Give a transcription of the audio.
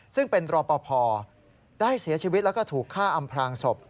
ซึ่งเป็นรอปภได้เสียชีวิตแล้วก็ถูกฆ่าอำพลางศพ